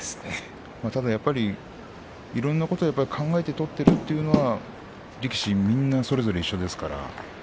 ただやっぱりいろんなことを考えて取っているというのは力士みんなそれぞれ一緒ですから。